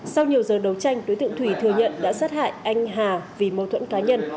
sau nhiều giờ đấu tranh đối tượng thủy thừa nhận đã sát hại anh hà vì mâu thuẫn cá nhân